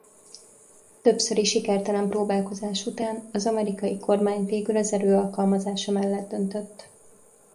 Többszöri sikertelen próbálkozás után az amerikai kormány végül az erő alkalmazása mellett döntött.